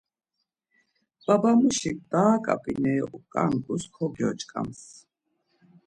Babamuşik daa ǩap̌ineri oǩanǩus kogyoç̌ǩams.